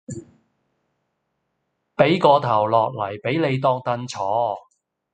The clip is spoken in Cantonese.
批個頭落嚟俾你當櫈坐